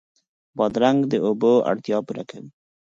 بادرنګ د اوبو اړتیا پوره کوي.